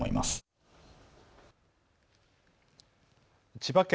千葉県